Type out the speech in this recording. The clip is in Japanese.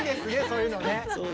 そういうのね。